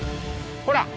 ほら。